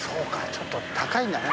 ちょっと高いんだね